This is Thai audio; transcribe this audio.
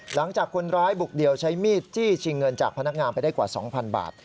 หลังจากคนร้ายบุกเดี่ยวใช้มีดจี้ชิงเงินจากพนักงานไปได้กว่า๒๐๐บาท